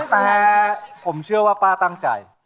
แต่ผมเชื่อว่าป้าตั้งใจ